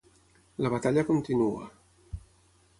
La batalla continua...